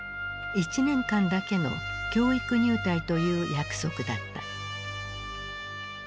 １年間だけの教育入隊という約束だった。